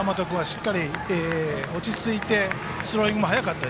しっかりと落ち着いていてスローイングも速かった。